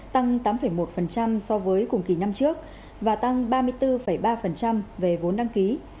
tăng tám một so với cùng kỳ năm trước và tăng ba mươi bốn ba về vốn đăng ký